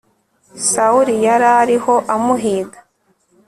sawuli yari ariho amuhiga